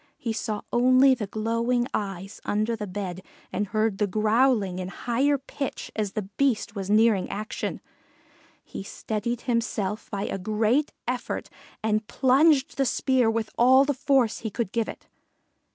He saw only the glowing eyes under the bed and heard the growling in higher pitch as the Beast was nearing action. He steadied himself by a great effort and plunged the spear with all the force he could give it.